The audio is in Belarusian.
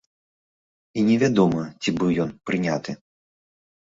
І невядома, ці быў ён прыняты.